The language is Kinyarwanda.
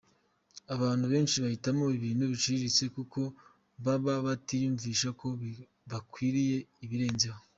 Abantu benshi bahitamo ibintu biciriritse kuko baba batiyumvisha ko bakwiriye ibirenzeho.